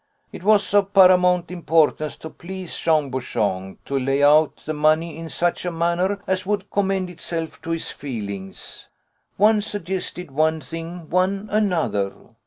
It was of paramount importance to please Jean Bouchon, to lay out the money in such a manner as would commend itself to his feelings. One suggested one thing, one another.